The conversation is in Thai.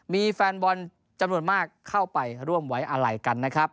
มีแฟนบอลจำนวนมากเข้าไปร่วมไว้อาลัยกันนะครับ